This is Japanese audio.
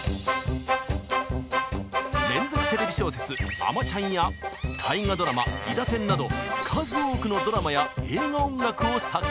連続テレビ小説「あまちゃん」や大河ドラマ「いだてん」など数多くのドラマや映画音楽を作曲しています。